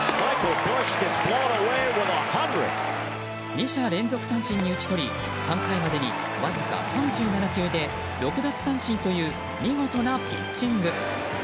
メジャー連続三振に打ち取り３回までにわずか３７球で６奪三振という見事なピッチング。